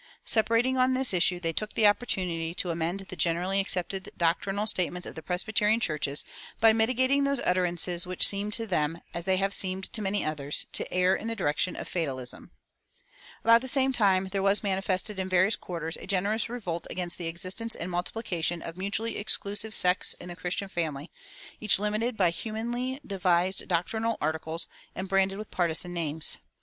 Separating on this issue, they took the opportunity to amend the generally accepted doctrinal statements of the Presbyterian churches by mitigating those utterances which seemed to them, as they have seemed to many others, to err in the direction of fatalism. About the same time there was manifested in various quarters a generous revolt against the existence and multiplication of mutually exclusive sects in the Christian family, each limited by humanly devised doctrinal articles and branded with partisan names.